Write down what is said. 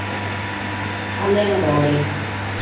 Allenadore.